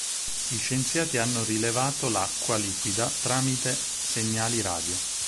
Gli scienziati hanno rilevato l'acqua liquida tramite segnali radio.